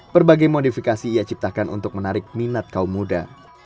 berbagai modifikasi ia ciptakan untuk menarik minat kaum muda